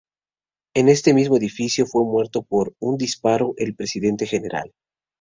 En este mismo edificio fue muerto por un disparo el presidente Gral.